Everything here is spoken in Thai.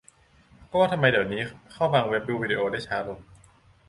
- ก็ว่าทำไมเดี๋ยวนี้เข้าบางเว็บ ดูวีดีโอได้ช้าลง